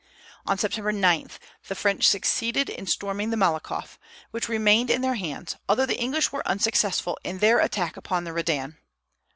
On September 9 the French succeeded in storming the Malakoff, which remained in their hands, although the English were unsuccessful in their attack upon the Redan.